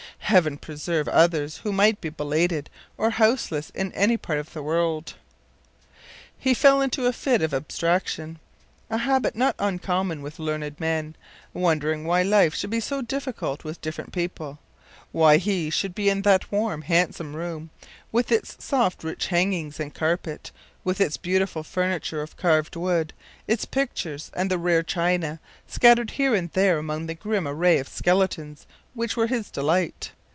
Heaven preserve others who might be belated or houseless in any part of the world! He fell into a fit of abstraction, a habit not uncommon with learned men, wondering why life should be so different with different people; why he should be in that warm, handsome room, with its soft rich hangings and carpet, with its beautiful furniture of carved wood, its pictures, and the rare china scattered here and there among the grim array of skeletons which were his delight.